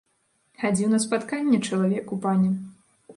Хадзіў на спатканне чалавеку, пане.